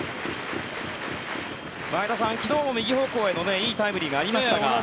前田さん、昨日も右方向へのいいタイムリーがありましたが。